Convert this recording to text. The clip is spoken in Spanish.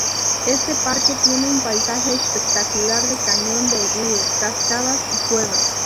Este parque tiene un paisaje espectacular de cañón de río, cascadas y cuevas.